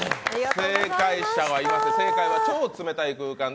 正解者はいません。